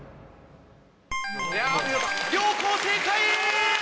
両校正解！